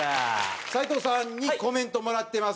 斎藤さんにコメントもらってます。